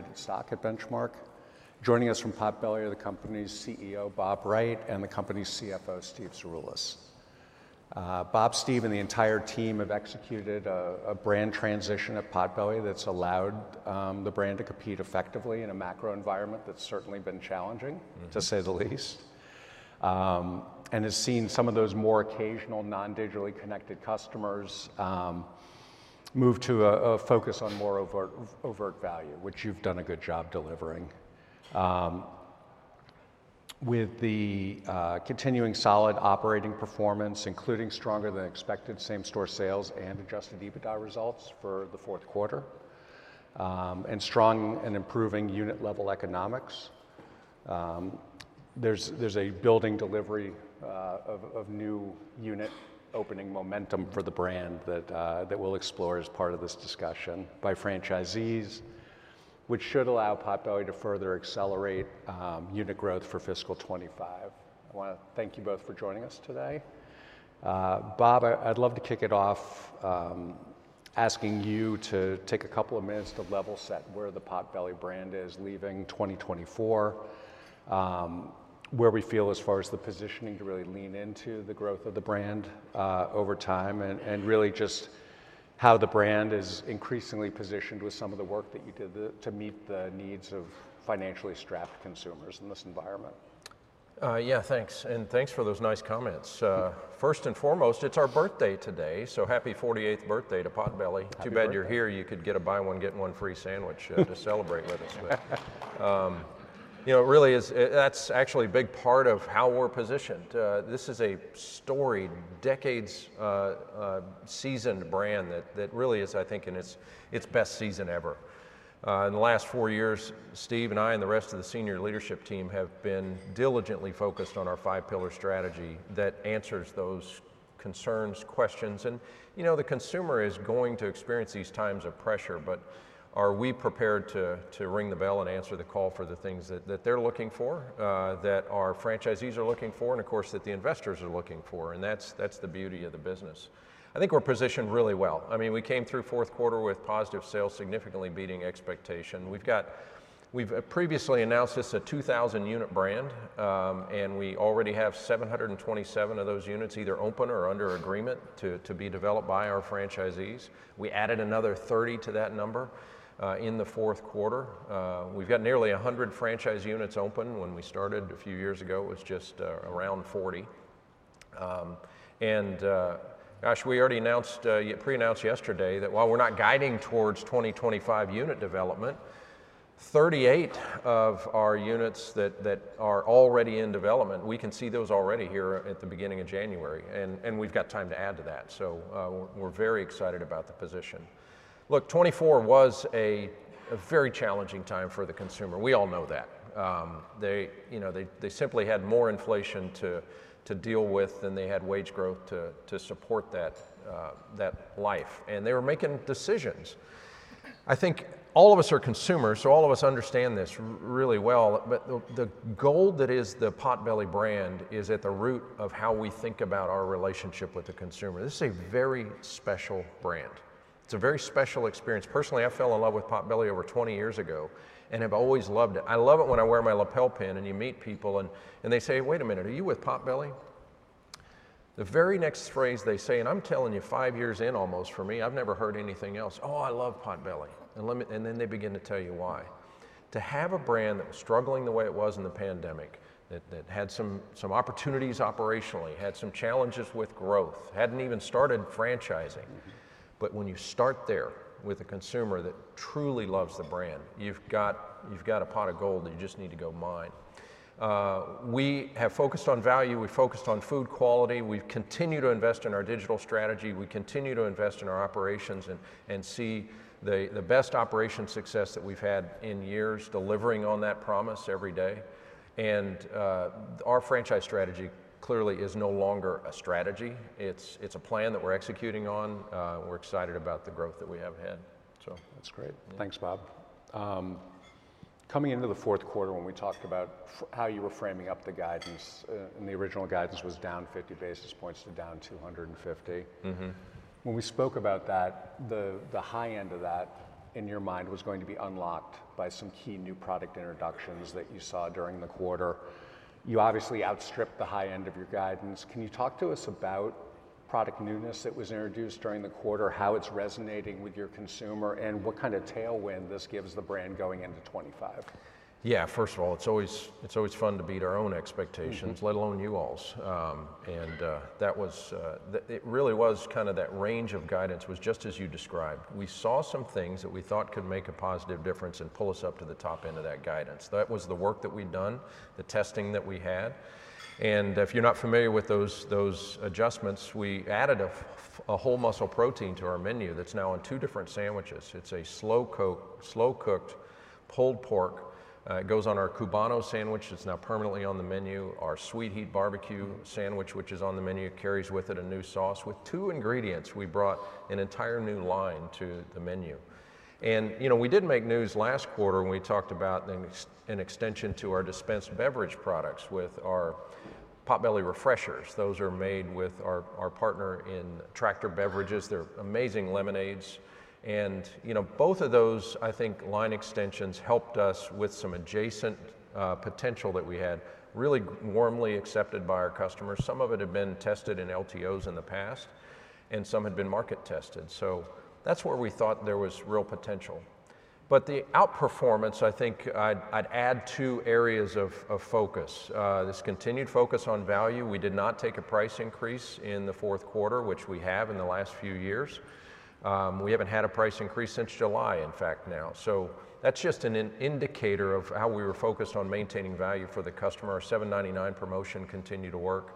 Hi, everyone at Benchmark. Joining us from Potbelly are the company's CEO, Bob Wright, and the company's CFO, Steve Cirulis. Bob, Steve, and the entire team have executed a brand transition at Potbelly that's allowed the brand to compete effectively in a macro environment that's certainly been challenging, to say the least, and has seen some of those more occasional non-digitally connected customers move to a focus on more overt value, which you've done a good job delivering. With the continuing solid operating performance, including stronger-than-expected same-store sales and Adjusted EBITDA results for the fourth quarter, and strong and improving unit-level economics, there's a building delivery of new unit-opening momentum for the brand that we'll explore as part of this discussion by franchisees, which should allow Potbelly to further accelerate unit growth for fiscal 2025. I want to thank you both for joining us today. Bob, I'd love to kick it off asking you to take a couple of minutes to level set where the Potbelly brand is leaving 2024, where we feel as far as the positioning to really lean into the growth of the brand over time, and really just how the brand is increasingly positioned with some of the work that you did to meet the needs of financially strapped consumers in this environment. Yeah, thanks. And thanks for those nice comments. First and foremost, it's our birthday today, so happy 48th birthday to Potbelly. Too bad you're here, you could get a buy one, get one free sandwich to celebrate with us. You know, really, that's actually a big part of how we're positioned. This is a storied, decades-seasoned brand that really is, I think, in its best season ever. In the last four years, Steve and I and the rest of the senior leadership team have been diligently focused on our five-pillar strategy that answers those concerns, questions. And you know, the consumer is going to experience these times of pressure, but are we prepared to ring the bell and answer the call for the things that they're looking for, that our franchisees are looking for, and of course, that the investors are looking for? And that's the beauty of the business. I think we're positioned really well. I mean, we came through fourth quarter with positive sales, significantly beating expectation. We've previously announced this as a 2,000-unit brand, and we already have 727 of those units either open or under agreement to be developed by our franchisees. We added another 30 to that number in the fourth quarter. We've got nearly 100 franchise units open. When we started a few years ago, it was just around 40, and gosh, we already pre-announced yesterday that while we're not guiding towards 2025 unit development, 38 of our units that are already in development, we can see those already here at the beginning of January, and we've got time to add to that, so we're very excited about the position. Look, 2024 was a very challenging time for the consumer. We all know that. They simply had more inflation to deal with than they had wage growth to support that life. And they were making decisions. I think all of us are consumers, so all of us understand this really well, but the gold that is the Potbelly brand is at the root of how we think about our relationship with the consumer. This is a very special brand. It's a very special experience. Personally, I fell in love with Potbelly over 20 years ago and have always loved it. I love it when I wear my lapel pin and you meet people and they say, "Wait a minute, are you with Potbelly?" The very next phrase they say, and I'm telling you, five years in almost for me, I've never heard anything else, "Oh, I love Potbelly." And then they begin to tell you why. To have a brand that was struggling the way it was in the pandemic, that had some opportunities operationally, had some challenges with growth, hadn't even started franchising, but when you start there with a consumer that truly loves the brand, you've got a pot of gold that you just need to go mine. We have focused on value, we've focused on food quality, we've continued to invest in our digital strategy, we continue to invest in our operations, and see the best operation success that we've had in years delivering on that promise every day, and our franchise strategy clearly is no longer a strategy. It's a plan that we're executing on. We're excited about the growth that we have had. That's great. Thanks, Bob. Coming into the fourth quarter, when we talked about how you were framing up the guidance, and the original guidance was down 50 basis points to down 250 basis points. When we spoke about that, the high end of that in your mind was going to be unlocked by some key new product introductions that you saw during the quarter. You obviously outstripped the high end of your guidance. Can you talk to us about product newness that was introduced during the quarter, how it's resonating with your consumer, and what kind of tailwind this gives the brand going into 2025? Yeah, first of all, it's always fun to beat our own expectations, let alone you all's. And that really was kind of that range of guidance was just as you described. We saw some things that we thought could make a positive difference and pull us up to the top end of that guidance. That was the work that we'd done, the testing that we had. And if you're not familiar with those adjustments, we added a whole muscle protein to our menu that's now on two different sandwiches. It's a slow-cooked pulled pork. It goes on our Cubano sandwich that's now permanently on the menu. Our Sweet Heat Barbecue sandwich, which is on the menu, carries with it a new sauce with two ingredients. We brought an entire new line to the menu. You know, we did make news last quarter when we talked about an extension to our dispensed beverage products with our Potbelly Refreshers. Those are made with our partner, Tractor Beverage Company. They're amazing lemonades. And you know, both of those, I think, line extensions helped us with some adjacent potential that we had really warmly accepted by our customers. Some of it had been tested in LTOs in the past, and some had been market tested. So that's where we thought there was real potential. But the outperformance, I think I'd add two areas of focus. This continued focus on value. We did not take a price increase in the fourth quarter, which we have in the last few years. We haven't had a price increase since July, in fact, now. So that's just an indicator of how we were focused on maintaining value for the customer. Our $7.99 promotion continued to work.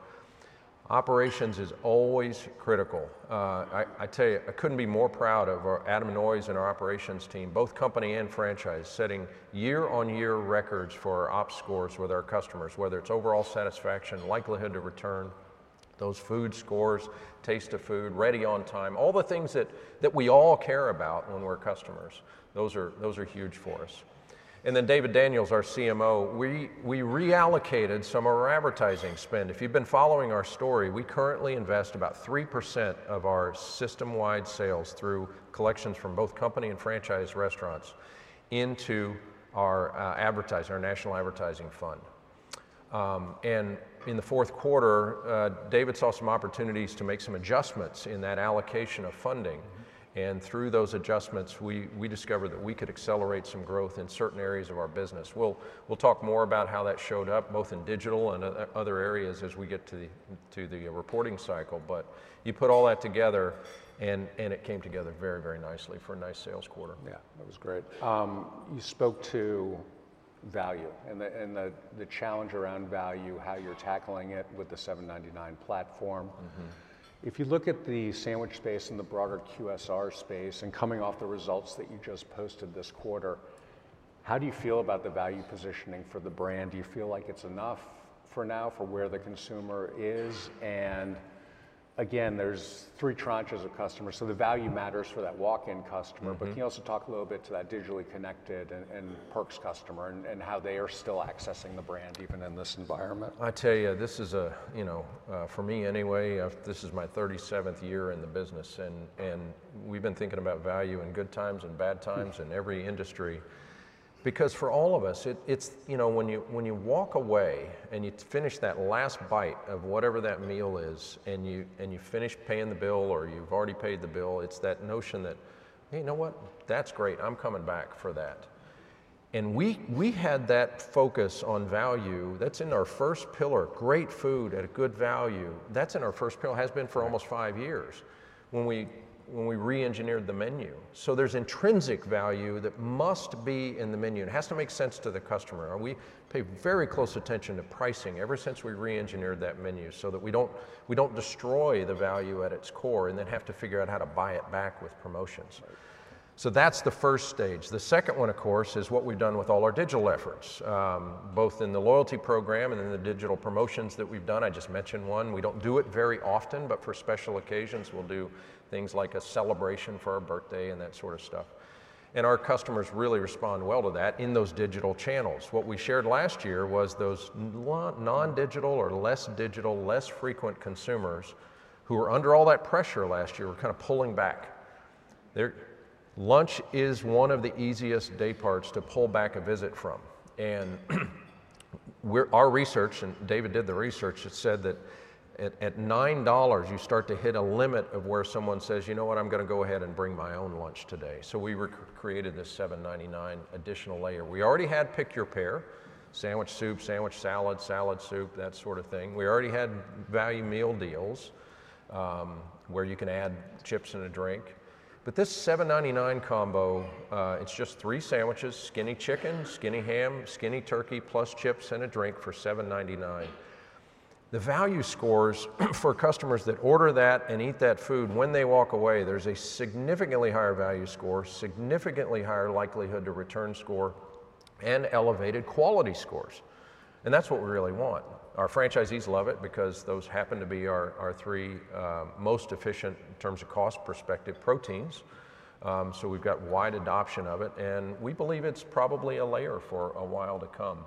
Operations is always critical. I tell you, I couldn't be more proud of our Adam Noyes and our operations team, both company and franchise, setting year-on-year records for our ops scores with our customers, whether it's overall satisfaction, likelihood to return, those food scores, taste of food, ready on time, all the things that we all care about when we're customers. Those are huge for us, and then David Daniels, our CMO, we reallocated some of our advertising spend. If you've been following our story, we currently invest about 3% of our system-wide sales through collections from both company and franchise restaurants into our national advertising fund, and in the fourth quarter, David saw some opportunities to make some adjustments in that allocation of funding, and through those adjustments, we discovered that we could accelerate some growth in certain areas of our business. We'll talk more about how that showed up, both in digital and other areas as we get to the reporting cycle. But you put all that together, and it came together very, very nicely for a nice sales quarter. Yeah, that was great. You spoke to value and the challenge around value, how you're tackling it with the $7.99 platform. If you look at the sandwich space and the broader QSR space, and coming off the results that you just posted this quarter, how do you feel about the value positioning for the brand? Do you feel like it's enough for now for where the consumer is? And again, there's three tranches of customers, so the value matters for that walk-in customer. But can you also talk a little bit to that digitally connected and Perks customer and how they are still accessing the brand even in this environment? I tell you, this is a, you know, for me anyway, this is my 37th year in the business. And we've been thinking about value in good times and bad times in every industry. Because for all of us, it's, you know, when you walk away and you finish that last bite of whatever that meal is, and you finish paying the bill or you've already paid the bill, it's that notion that, hey, you know what? That's great. I'm coming back for that. And we had that focus on value that's in our first pillar. Great food at a good value, that's in our first pillar, has been for almost five years when we re-engineered the menu. So there's intrinsic value that must be in the menu. It has to make sense to the customer. We pay very close attention to pricing ever since we re-engineered that menu so that we don't destroy the value at its core and then have to figure out how to buy it back with promotions. So that's the first stage. The second one, of course, is what we've done with all our digital efforts, both in the loyalty program and in the digital promotions that we've done. I just mentioned one. We don't do it very often, but for special occasions, we'll do things like a celebration for our birthday and that sort of stuff. And our customers really respond well to that in those digital channels. What we shared last year was those non-digital or less digital, less frequent consumers who were under all that pressure last year were kind of pulling back. Lunch is one of the easiest day parts to pull back a visit from. And our research, and David did the research, said that at $9, you start to hit a limit of where someone says, you know what? I'm going to go ahead and bring my own lunch today. So we created this $7.99 additional layer. We already had Pick Your Pair, sandwich soup, sandwich salad, salad soup, that sort of thing. We already had value meal deals where you can add chips and a drink. But this $7.99 combo, it's just three sandwiches, Skinny Chicken, Skinny Ham, Skinny Turkey, plus chips and a drink for $7.99. The value scores for customers that order that and eat that food when they walk away. There's a significantly higher value score, significantly higher likelihood to return score, and elevated quality scores. And that's what we really want. Our franchisees love it because those happen to be our three most efficient in terms of cost perspective proteins. So we've got wide adoption of it. And we believe it's probably a layer for a while to come.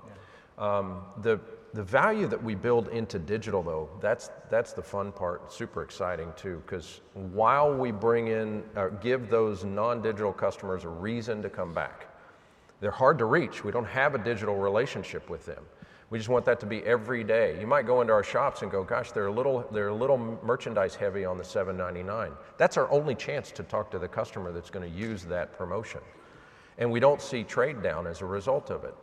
The value that we build into digital, though, that's the fun part. It's super exciting too, because while we bring in, give those non-digital customers a reason to come back, they're hard to reach. We don't have a digital relationship with them. We just want that to be every day. You might go into our shops and go, gosh, they're a little merchandise heavy on the $7.99. That's our only chance to talk to the customer that's going to use that promotion. And we don't see trade down as a result of it.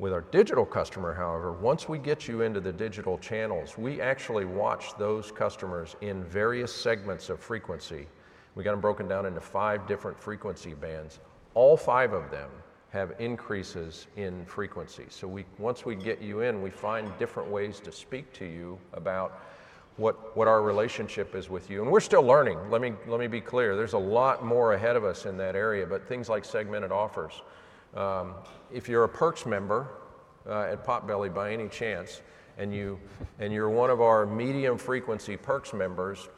With our digital customer, however, once we get you into the digital channels, we actually watch those customers in various segments of frequency. We got them broken down into five different frequency bands. All five of them have increases in frequency. So once we get you in, we find different ways to speak to you about what our relationship is with you. And we're still learning. Let me be clear. There's a lot more ahead of us in that area, but things like segmented offers. If you're a Perks member at Potbelly by any chance, and you're one of our medium frequency Perks members,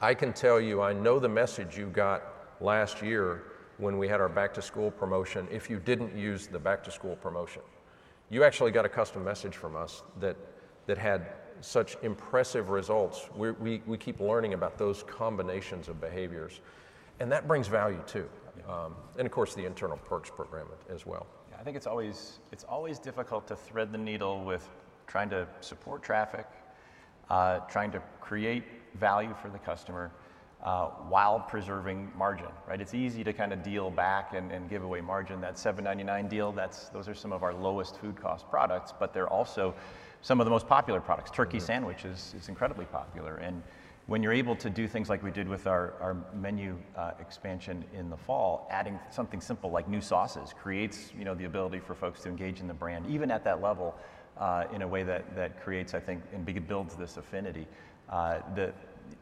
I can tell you, I know the message you got last year when we had our back-to-school promotion if you didn't use the back-to-school promotion. You actually got a custom message from us that had such impressive results. We keep learning about those combinations of behaviors. And that brings value too. And of course, the internal Perks program as well. Yeah, I think it's always difficult to thread the needle with trying to support traffic, trying to create value for the customer while preserving margin. It's easy to kind of deal back and give away margin. That $7.99 deal, those are some of our lowest food cost products, but they're also some of the most popular products. Turkey sandwiches is incredibly popular. And when you're able to do things like we did with our menu expansion in the fall, adding something simple like new sauces creates the ability for folks to engage in the brand, even at that level, in a way that creates, I think, and builds this affinity.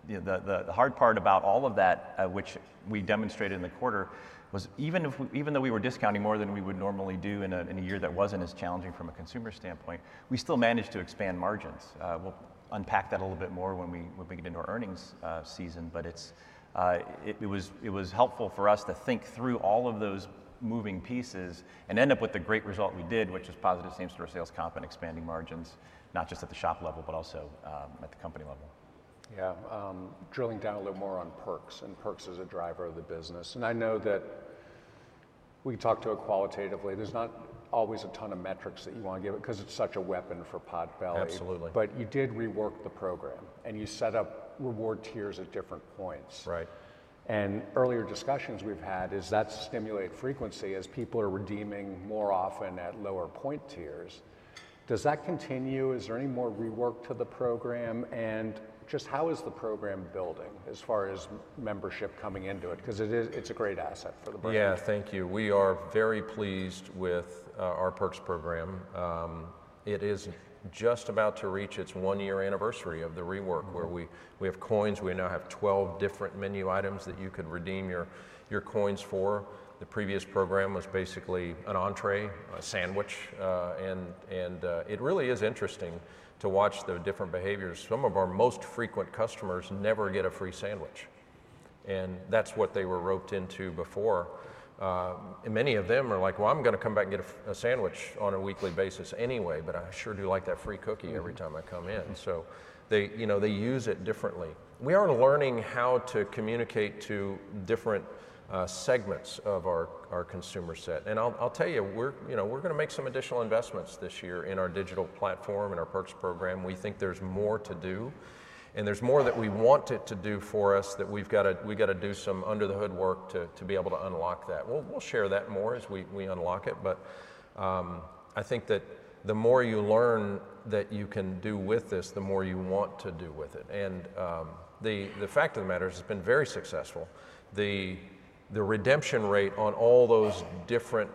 The hard part about all of that, which we demonstrated in the quarter, was even though we were discounting more than we would normally do in a year that wasn't as challenging from a consumer standpoint, we still managed to expand margins. We'll unpack that a little bit more when we get into our earnings season. But it was helpful for us to think through all of those moving pieces and end up with the great result we did, which was positive same-store sales comp and expanding margins, not just at the shop level, but also at the company level. Yeah. Drilling down a little more on Perks and Perks as a driver of the business. And I know that we talked to it qualitatively. There's not always a ton of metrics that you want to give it because it's such a weapon for Potbelly. Absolutely. But you did rework the program and you set up reward tiers at different points. And earlier discussions we've had is that's stimulated frequency as people are redeeming more often at lower point tiers. Does that continue? Is there any more rework to the program? And just how is the program building as far as membership coming into it? Because it's a great asset for the brand. Yeah, thank you. We are very pleased with our Perks program. It is just about to reach its one-year anniversary of the rework where we have coins. We now have 12 different menu items that you could redeem your coins for. The previous program was basically an entree, a sandwich, and it really is interesting to watch the different behaviors. Some of our most frequent customers never get a free sandwich, and that's what they were roped into before. Many of them are like, well, I'm going to come back and get a sandwich on a weekly basis anyway, but I sure do like that free cookie every time I come in. So they use it differently. We are learning how to communicate to different segments of our consumer set. And I'll tell you, we're going to make some additional investments this year in our digital platform and our Perks program. We think there's more to do. And there's more that we want it to do for us that we've got to do some under-the-hood work to be able to unlock that. We'll share that more as we unlock it. But I think that the more you learn that you can do with this, the more you want to do with it. And the fact of the matter is it's been very successful. The redemption rate on all those different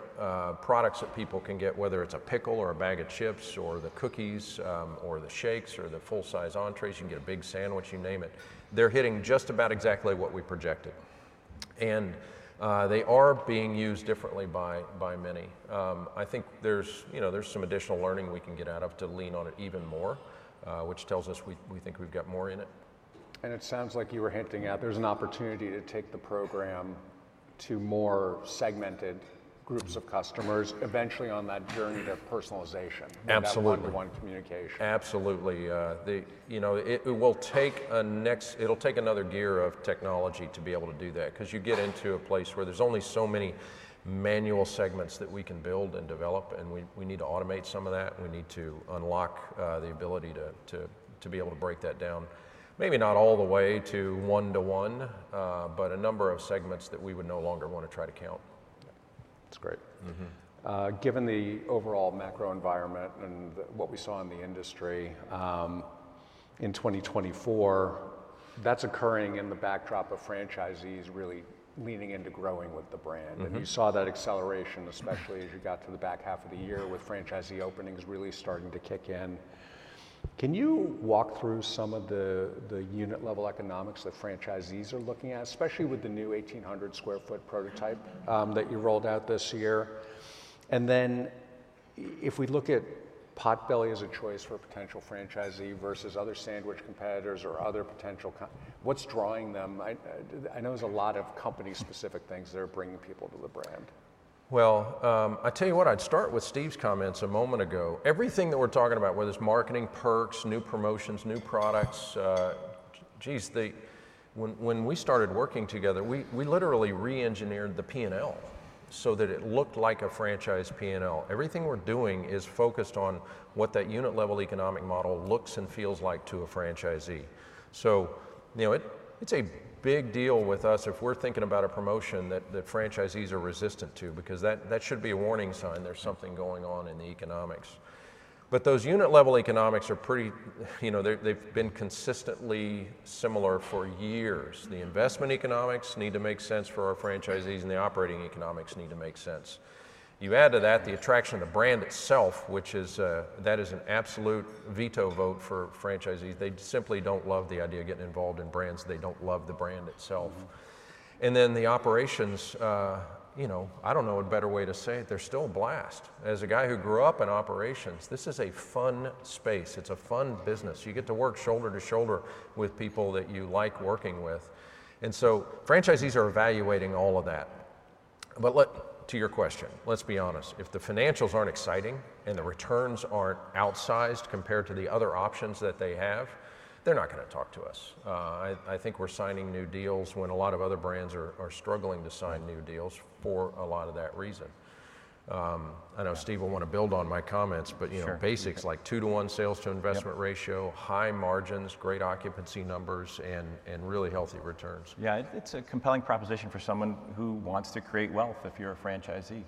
products that people can get, whether it's a pickle or a bag of chips or the cookies or the shakes or the full-size entrees, you can get a big sandwich, you name it, they're hitting just about exactly what we projected. And they are being used differently by many. I think there's some additional learning we can get out of it to lean on it even more, which tells us we think we've got more in it. It sounds like you were hinting at there's an opportunity to take the program to more segmented groups of customers eventually on that journey to personalization. Absolutely. And that's what we want: communication. Absolutely. It'll take another gear of technology to be able to do that because you get into a place where there's only so many manual segments that we can build and develop. We need to automate some of that. We need to unlock the ability to be able to break that down, maybe not all the way to one-to-one, but a number of segments that we would no longer want to try to count. That's great. Given the overall macro environment and what we saw in the industry in 2024, that's occurring in the backdrop of franchisees really leaning into growing with the brand, and you saw that acceleration, especially as you got to the back half of the year with franchisee openings really starting to kick in. Can you walk through some of the unit-level economics that franchisees are looking at, especially with the new 1,800 sq ft prototype that you rolled out this year, and then if we look at Potbelly as a choice for a potential franchisee versus other sandwich competitors or other potential, what's drawing them? I know there's a lot of company-specific things that are bringing people to the brand. Well, I'll tell you what, I'd start with Steve's comments a moment ago. Everything that we're talking about, whether it's marketing, Perks, new promotions, new products, geez, when we started working together, we literally re-engineered the P&L so that it looked like a franchise P&L. Everything we're doing is focused on what that unit-level economic model looks and feels like to a franchisee. So it's a big deal with us if we're thinking about a promotion that franchisees are resistant to because that should be a warning sign there's something going on in the economics. But those unit-level economics are pretty, they've been consistently similar for years. The investment economics need to make sense for our franchisees and the operating economics need to make sense. You add to that the attraction of the brand itself, which is that is an absolute veto vote for franchisees. They simply don't love the idea of getting involved in brands. They don't love the brand itself. And then the operations, you know, I don't know a better way to say it. They're still a blast. As a guy who grew up in operations, this is a fun space. It's a fun business. You get to work shoulder to shoulder with people that you like working with. And so franchisees are evaluating all of that. But to your question, let's be honest, if the financials aren't exciting and the returns aren't outsized compared to the other options that they have, they're not going to talk to us. I think we're signing new deals when a lot of other brands are struggling to sign new deals for a lot of that reason. I know Steve will want to build on my comments, but basics like two-to-one sales-to-investment ratio, high margins, great occupancy numbers, and really healthy returns. Yeah, it's a compelling proposition for someone who wants to create wealth if you're a franchisee.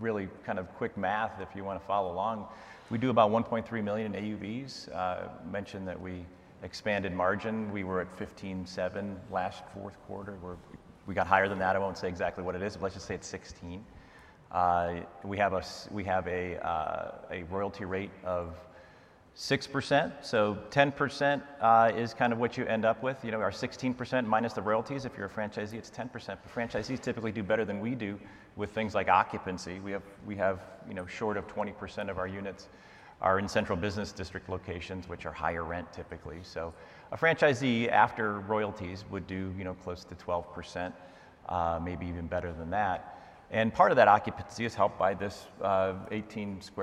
Really kind of quick math if you want to follow along. We do about $1.3 million in AUVs. Mentioned that we expanded margin. We were at 15.7% last fourth quarter. We got higher than that. I won't say exactly what it is, but let's just say it's 16%. We have a royalty rate of 6%. So 10% is kind of what you end up with. Our 16% minus the royalties, if you're a franchisee, it's 10%. But franchisees typically do better than we do with things like occupancy. We have short of 20% of our units are in central business district locations, which are higher rent typically. So a franchisee after royalties would do close to 12%, maybe even better than that. And part of that occupancy is helped by this 1,800 sq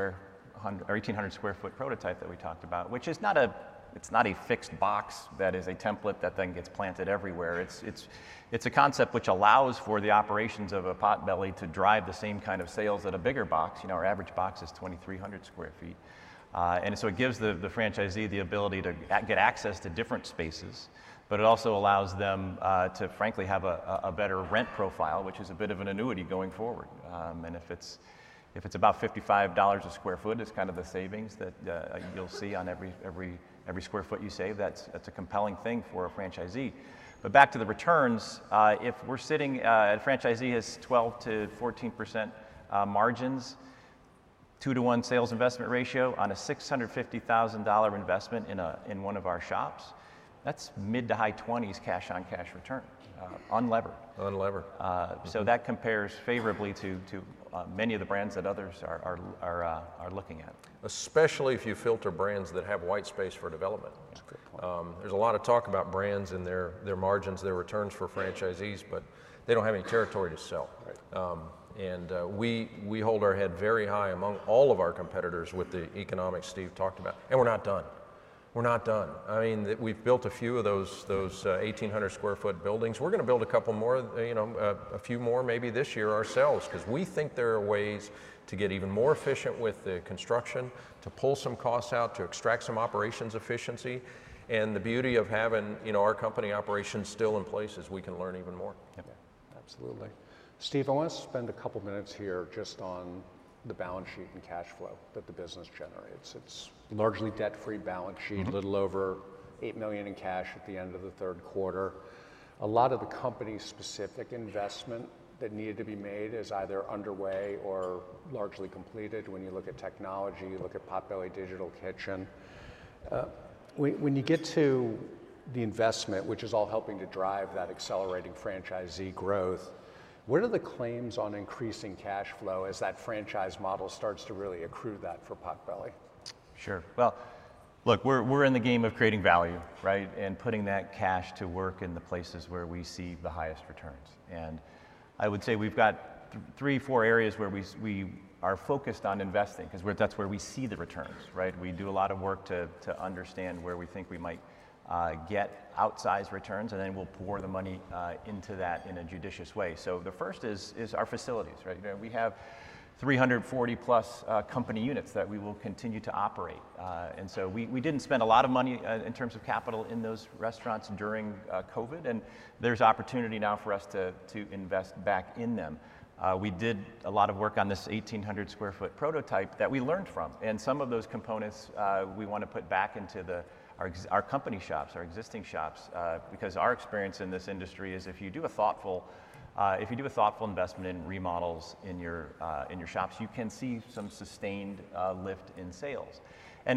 ft prototype that we talked about, which is not a fixed box that is a template that then gets planted everywhere. It's a concept which allows for the operations of a Potbelly to drive the same kind of sales at a bigger box. Our average box is 2,300 sq ft. And so it gives the franchisee the ability to get access to different spaces, but it also allows them to frankly have a better rent profile, which is a bit of an annuity going forward. And if it's about $55 a sq ft, it's kind of the savings that you'll see on every sq ft you save. That's a compelling thing for a franchisee. But back to the returns, if we're sitting a franchisee has 12%-14% margins, two-to-one sales-to-investment ratio on a $650,000 investment in one of our shops, that's mid- to high-20s cash-on-cash return unlevered. Unlevered. That compares favorably to many of the brands that others are looking at. Especially if you filter brands that have white space for development. There's a lot of talk about brands and their margins, their returns for franchisees, but they don't have any territory to sell. And we hold our head very high among all of our competitors with the economics Steve talked about. And we're not done. We're not done. I mean, we've built a few of those 1,800 sq ft buildings. We're going to build a couple more, a few more maybe this year ourselves because we think there are ways to get even more efficient with the construction, to pull some costs out, to extract some operations efficiency. And the beauty of having our company operations still in place is we can learn even more. Absolutely. Steve, I want to spend a couple of minutes here just on the balance sheet and cash flow that the business generates. It's largely debt-free balance sheet, a little over $8 million in cash at the end of the third quarter. A lot of the company-specific investment that needed to be made is either underway or largely completed. When you look at technology, you look at Potbelly Digital Kitchen. When you get to the investment, which is all helping to drive that accelerating franchisee growth, what are the claims on increasing cash flow as that franchise model starts to really accrue that for Potbelly? Sure. Well, look, we're in the game of creating value and putting that cash to work in the places where we see the highest returns. And I would say we've got three, four areas where we are focused on investing because that's where we see the returns. We do a lot of work to understand where we think we might get outsized returns, and then we'll pour the money into that in a judicious way. So the first is our facilities. We have 340+ company units that we will continue to operate. And so we didn't spend a lot of money in terms of capital in those restaurants during COVID, and there's opportunity now for us to invest back in them. We did a lot of work on this 1,800 sq ft prototype that we learned from. Some of those components we want to put back into our company shops, our existing shops, because our experience in this industry is if you do a thoughtful investment in remodels in your shops, you can see some sustained lift in sales.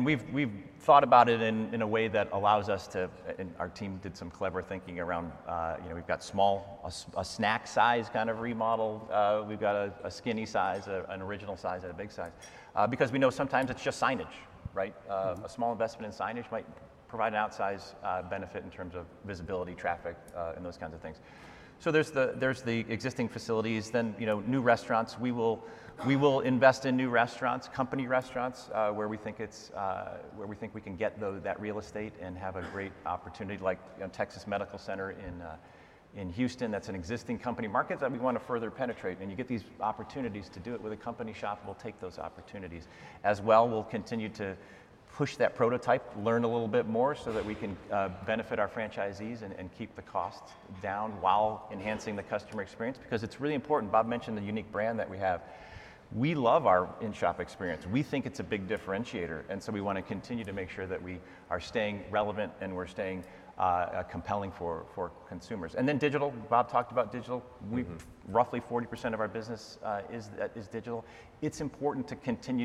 We've thought about it in a way that allows us to, and our team did some clever thinking around. We've got a snack-sized kind of remodel. We've got a skinny size, an original size, and a big size because we know sometimes it's just signage. A small investment in signage might provide an outsized benefit in terms of visibility, traffic, and those kinds of things. There's the existing facilities, then new restaurants. We will invest in new restaurants, company restaurants, where we think we can get that real estate and have a great opportunity, like Texas Medical Center in Houston. That's an existing company market that we want to further penetrate, and you get these opportunities to do it with a company shop. We'll take those opportunities. As well, we'll continue to push that prototype, learn a little bit more so that we can benefit our franchisees and keep the costs down while enhancing the customer experience because it's really important. Bob mentioned the unique brand that we have. We love our in-shop experience. We think it's a big differentiator, and so we want to continue to make sure that we are staying relevant and we're staying compelling for consumers, and then digital, Bob talked about digital. Roughly 40% of our business is digital. It's important to continue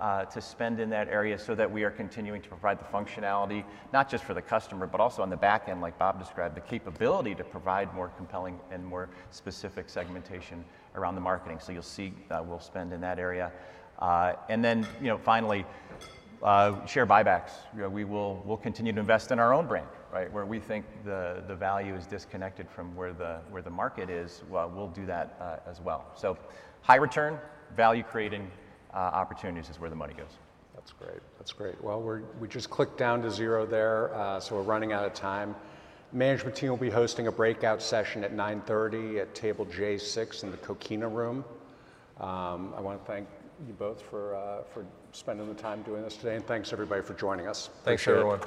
to spend in that area so that we are continuing to provide the functionality, not just for the customer, but also on the back end, like Bob described, the capability to provide more compelling and more specific segmentation around the marketing. So you'll see we'll spend in that area. And then finally, share buybacks. We'll continue to invest in our own brand where we think the value is disconnected from where the market is. We'll do that as well. So high return, value-creating opportunities is where the money goes. That's great. That's great. We just clicked down to zero there, so we're running out of time. Management team will be hosting a breakout session at 9:30 A.M. at table J6 in the Coquina Room. I want to thank you both for spending the time doing this today. Thanks, everybody, for joining us. Thanks, everyone.